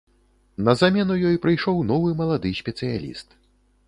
На замену ёй прыйшоў новы малады спецыяліст.